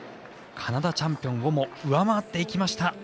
カナダチャンピオンをも上回っていきました。